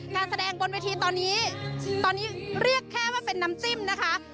การแสดงบนเวทีตอนนี้ตอนนี้เรียกแค่ว่าเป็นน้ำจิ้มนะคะ